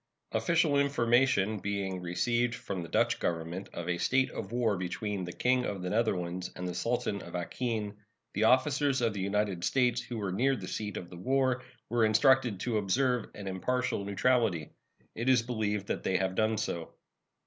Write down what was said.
Official information being received from the Dutch Government of a state of war between the King of the Netherlands and the Sultan of Acheen, the officers of the United States who were near the seat of the war were instructed to observe an impartial neutrality. It is believed that they have done so.